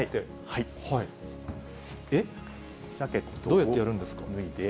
どうやってやるんですか。